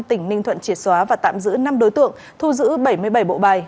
tỉnh ninh thuận triệt xóa và tạm giữ năm đối tượng thu giữ bảy mươi bảy bộ bài